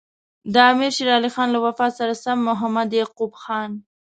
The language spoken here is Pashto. د امیر شېر علي خان له وفات سره سم محمد یعقوب خان.